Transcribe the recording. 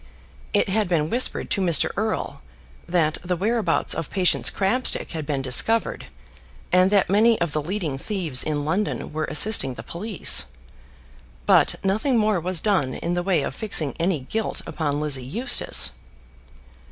It had been whispered to Mr. Erle that the whereabouts of Patience Crabstick had been discovered, and that many of the leading thieves in London were assisting the police; but nothing more was done in the way of fixing any guilt upon Lizzie Eustace.